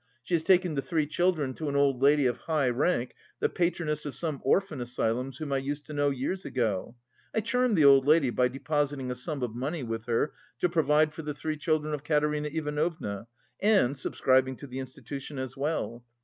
She has taken the three children to an old lady of high rank, the patroness of some orphan asylums, whom I used to know years ago. I charmed the old lady by depositing a sum of money with her to provide for the three children of Katerina Ivanovna and subscribing to the institution as well.